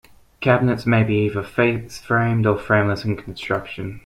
Cabinets may be either face-frame or frameless in construction.